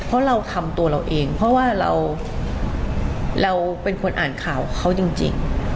เพราะเราทำตัวเราเองเพราะว่าเราเป็นคนอ่านข่าวเขาจริง